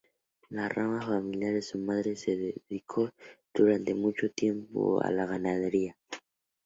La rama familiar de su madre se dedicó durante mucho tiempo a la ganadería.